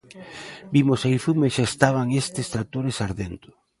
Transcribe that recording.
Vimos saír fume e xa estaban estes tractores ardendo.